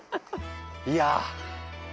いや。